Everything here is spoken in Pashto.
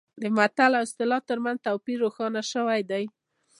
د متل او اصطلاح ترمنځ توپیر روښانه شوی دی